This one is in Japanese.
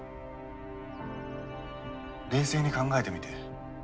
冷静に考えてみて。